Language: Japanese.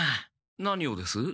何をです？